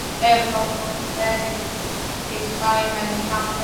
皋月杜鹃为杜鹃花科杜鹃花属下的一个种。